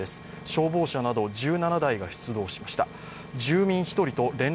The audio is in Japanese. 消防車など１７台が出動しました。